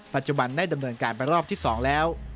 ปัจจุบันได้ดำเนินการไปรอบที่๒แล้ว